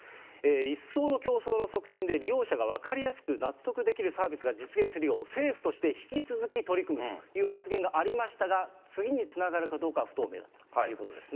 一層の競争の促進で利用者が分かりやすく納得できるサービスが実現するよう、政府として引き続き取り組むという発言がありましたが、次につながるかどうか不透明ということですね。